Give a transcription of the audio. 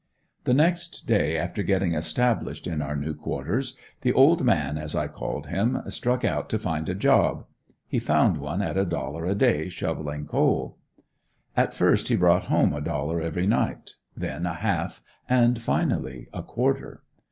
The next day after getting established in our new quarters, the "old man," as I called him, struck out to find a job; he found one at a dollar a day shoveling coal. At first he brought home a dollar every night, then a half and finally a quarter.